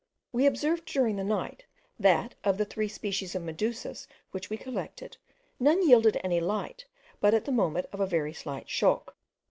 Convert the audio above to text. We observed during the night, that, of three species of medusas which we collected, none yielded any light but at the moment of a very slight shock.